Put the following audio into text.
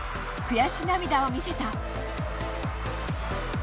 悔し涙を見せた。